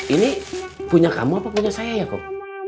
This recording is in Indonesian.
ini punya kamu apa punya saya ya kok